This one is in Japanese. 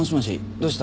どうした？